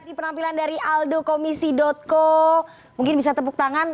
jadi penampilan dari aldokomisi co mungkin bisa tepuk tangan